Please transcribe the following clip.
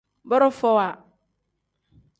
Borofowa.